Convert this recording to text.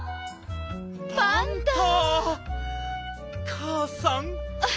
かあさん。